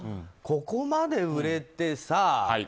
ここまで売れてさ。